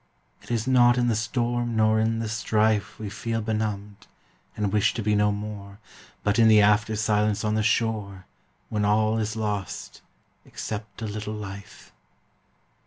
It is not in the storm nor in the strife We feel benumbed, and wish to be no more, But in the after silence on the shore, When all is lost, except a little life.